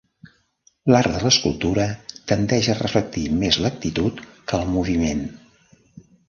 L'art de l'escultura tendeix a reflectir més l'actitud que el moviment.